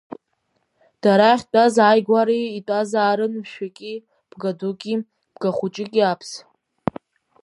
Дара ахьтәаз ааигәара итәазаарын мшәыки, бгадуки, бгахәыҷыки Аԥс.